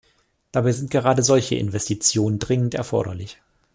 Dabei sind gerade solche Investitionen dringend erforderlich.